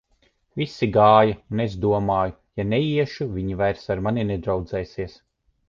Visi gāja, un es domāju: ja neiešu, viņi vairs ar mani nedraudzēsies.